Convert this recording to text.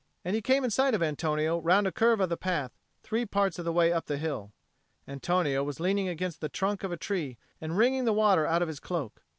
And he came in sight of Antonio round a curve of the path three parts of the way up the hill. Antonio was leaning against the trunk of a tree and wringing the water out of his cloak.